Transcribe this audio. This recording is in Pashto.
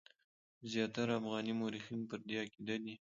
زیاتره افغاني مورخین پر دې عقیده دي.